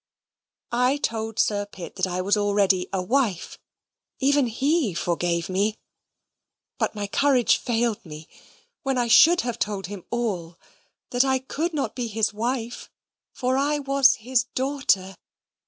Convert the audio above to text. I told Sir Pitt that I was already A WIFE. Even he forgave me. But my courage failed me, when I should have told him all that I could not be his wife, for I WAS HIS DAUGHTER!